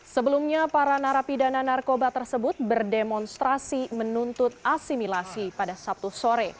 sebelumnya para narapidana narkoba tersebut berdemonstrasi menuntut asimilasi pada sabtu sore